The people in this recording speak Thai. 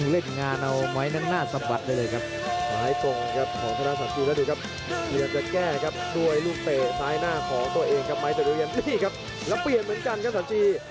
แล้วเปลี่ยนเหมือนกันกับสาวจี